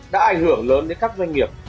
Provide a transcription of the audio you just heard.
đã ảnh hưởng lớn đến các doanh nghiệp